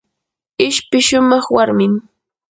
ishpi shumaq warmim.